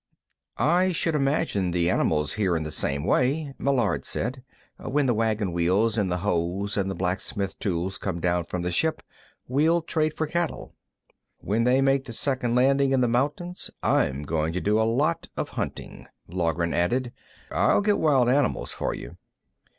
"I should imagine the animals hear in the same way," Meillard said. "When the wagon wheels and the hoes and the blacksmith tools come down from the ship, we'll trade for cattle." "When they make the second landing in the mountains, I'm going to do a lot of hunting," Loughran added. "I'll get wild animals for you."